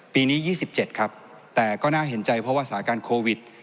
ปีนี้ยี่สิบเจ็ดครับแต่ก็น่าเห็นใจเพราะว่าสาหการโควิด